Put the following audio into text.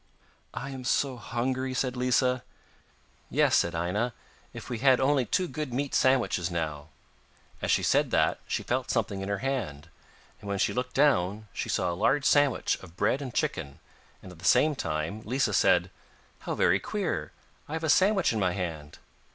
'I am so hungry,' said Lisa. 'Yes,' said Aina, 'if we had only two good meat sandwiches now.' As she said that, she felt something in her hand, and when she looked down, she saw a large sandwich of bread and chicken, and at the same time Lisa said: 'How very queer! I have a sandwich in my hand.